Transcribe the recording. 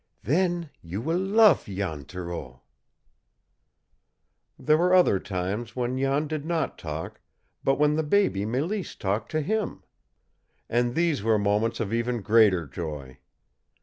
"Then you will luf Jan Thoreau!" There were other times when Jan did not talk, but when the baby Mélisse talked to him; and these were moments of even greater joy.